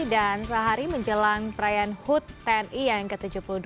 dan sehari menjelang perayaan hut tni yang ke tujuh puluh dua